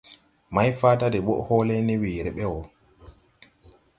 Mayfaada de ɓɔʼ hɔɔlɛ ne weere ɓɛ wɔ.